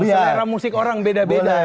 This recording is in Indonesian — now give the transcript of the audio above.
selera musik orang beda beda ya kan